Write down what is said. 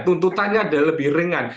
tuntutannya adalah lebih ringan